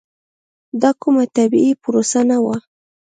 دا کومه طبیعي پروسه نه وه.